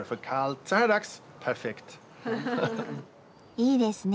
いいですね。